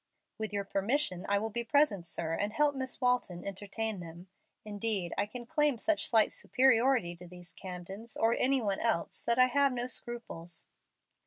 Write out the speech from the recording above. "With your permission I will be present, sir, and help Miss Walton entertain them. Indeed, I can claim such slight superiority to these Camdens or any one else that I have no scruples."